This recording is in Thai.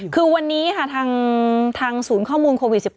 คือวันนี้ค่ะทางศูนย์ข้อมูลโควิด๑๙